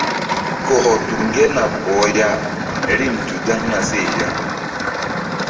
Kɔkɔ tu ŋgerna bɔh ya rim tu zaŋ na seh ya.